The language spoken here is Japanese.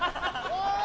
おい！